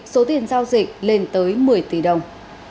số tiền giao dịch lên tới một mươi tỷ đồng